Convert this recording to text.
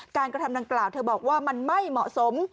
กระทำดังกล่าวเธอบอกว่ามันไม่เหมาะสม